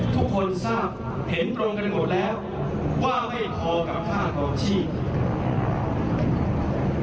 ทุกคนทราบเห็นตรงกันหมดแล้วว่าไม่พอกับค่าครองชีพ